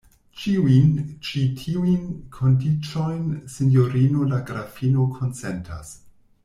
Ĉiujn ĉi tiujn kondiĉojn sinjorino la grafino konsentas.